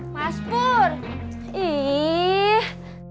mas pur ih